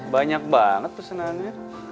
banyak banget pesenannya